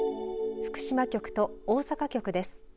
福島局と大阪局です。